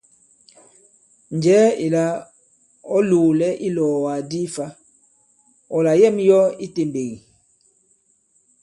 Njɛ̀ɛ ìlà ɔ̀ loōlɛ i ilɔ̀ɔ̀wàk di fa, ɔ̀ làyɛ᷇m yɔ i itèmbèk ì?